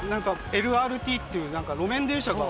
ＬＲＴっていう路面電車が。